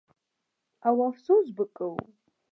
او افسوس به کوو.